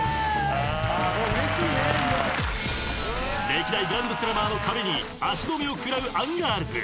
［歴代グランドスラマーの壁に足止めを食らうアンガールズ］